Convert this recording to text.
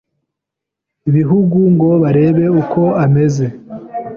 bihugu ngo barebe uko ameze